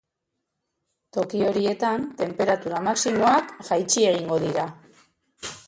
Toki horietan tenperatura maximoak jaitsi egingo dira.